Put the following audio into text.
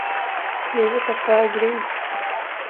Livet är för grymt.